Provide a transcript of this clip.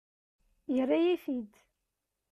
Yerra-yi-t-id.